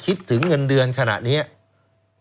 คุณนิวจดไว้หมื่นบาทต่อเดือนมีค่าเสี่ยงให้ด้วย